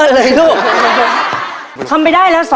ยังเหลือเวลาทำไส้กรอกล่วงได้เยอะเลยลูก